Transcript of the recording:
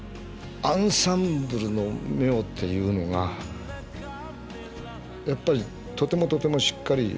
アンサンブルの妙っていうのがやっぱりとてもとてもしっかりしてるし。